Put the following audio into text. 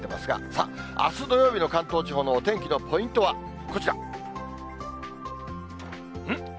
さあ、あす土曜日の関東地方のお天気のポイントは、こちら。